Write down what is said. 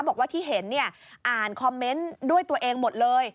บอกว่าที่เห็นอ่านคอมเมนต์ด้วยตัวเองหมดเลย